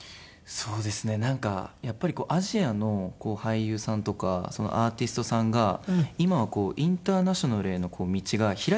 そうですねなんかやっぱりアジアの俳優さんとかアーティストさんが今はインターナショナルへの道が開けてきてる。